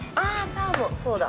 サーモンそうだ